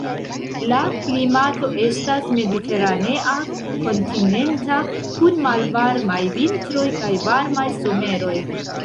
La klimato estas mediteranea kontinenta, kun malvarmaj vintroj kaj varmaj someroj.